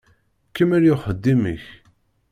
Kemmel i uxeddim-ik.